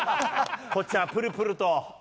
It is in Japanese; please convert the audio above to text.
こっちはプルプルと。